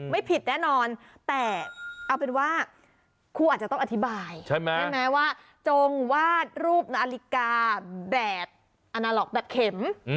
ไม่ผิดแน่นอนแต่เอาเป็นว่าครูอาจจะต้องอธิบายใช่ไหมว่าจงวาดรูปนาฬิกาแดดอนาล็อกแบบเข็ม